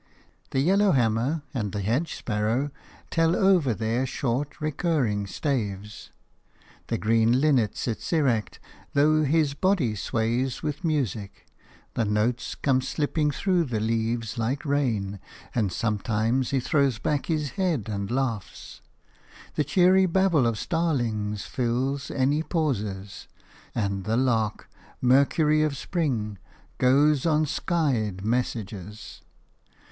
The yellowhammer and the hedge sparrow tell over their short, recurring staves. The green linnet sits erect, though his body sways with music; the notes come slipping through the leaves like rain, and sometimes he throws back his head and laughs. The cheery babble of starlings fills any pauses, and the lark – Mercury of spring – goes on skyey messages.